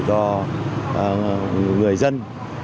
cho người dân